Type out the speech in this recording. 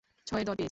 ছয়ের দর পেয়েছি।